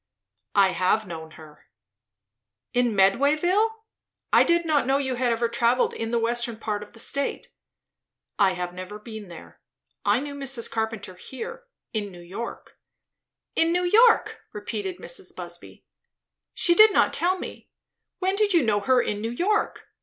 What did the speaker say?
"I have known her." "In Medwayville? I did not know you had ever travelled in the western part of the state." "I have never been there. I knew Mrs. Carpenter here, in New York." "In New York!" repeated Mrs. Busby. "She did not tell me When did you know her in New York?